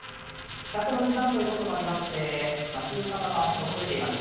帰宅の時間ということもありまして町行く方の足も増えています。